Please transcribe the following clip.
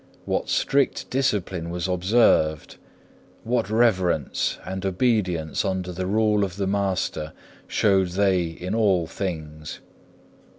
what strict discipline was observed! what reverence and obedience under the rule of the master showed they in all things!